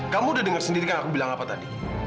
kamu udah dengar sendiri kan aku bilang apa tadi